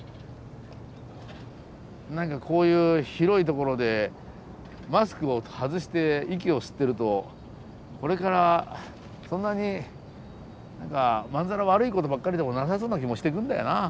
何かこういう広い所でマスクを外して息を吸ってるとこれからそんなにまんざら悪いことばっかりでもなさそうな気もしてくるんだよな。